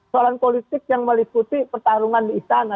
soalan politik yang meliputi pertarungan di istana